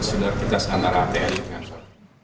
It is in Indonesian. sebenarnya kita sekarang ada rtl di kantor